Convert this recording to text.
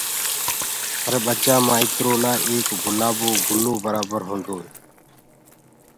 هر ٻچآ ٻآئترو لآ ايڪ گُلآبو گُلو برآبر هوندوئي